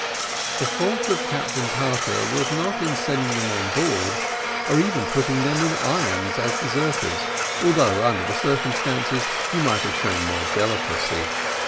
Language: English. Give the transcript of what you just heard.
The fault of Captain Tartar was not in sending them on board, or even putting them in irons as deserters, although, under the circumstances, he might have shown more delicacy.